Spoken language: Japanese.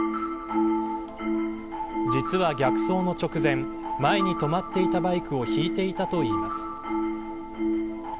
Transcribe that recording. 実は、逆走の直前前に止まっていたバイクをひいていたといいます。